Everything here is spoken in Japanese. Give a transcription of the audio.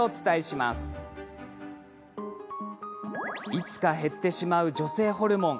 いつか減ってしまう女性ホルモン。